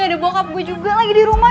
ada bokap gue juga lagi di rumah